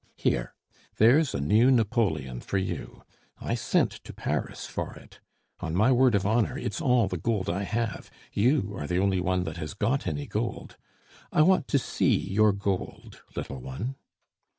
Here! there's a new napoleon for you. I sent to Paris for it. On my word of honor, it's all the gold I have; you are the only one that has got any gold. I want to see your gold, little one."